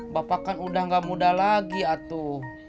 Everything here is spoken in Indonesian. bapak kan udah gak muda lagi atuh